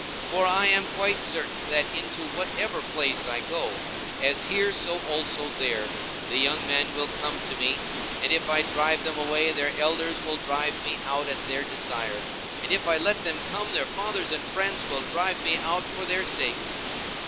For I am quite sure that into whatever place I go, as here so also there, the young men will come to me; and if I drive them away, their elders will drive me out at their desire: and if I let them come, their fathers and friends will drive me out for their sakes.